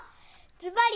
ずばり！